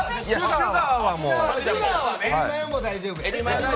エビマヨは大丈夫。